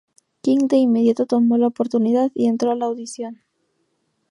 King de inmediato tomó la oportunidad y entró a la audición.